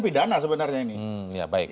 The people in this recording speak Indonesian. pidana sebenarnya ini ya baik